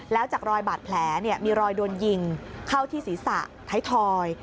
แล้วจากรอยบาดแผลมีรอยโดนยิงเข้าที่ศีรษะไทยทอย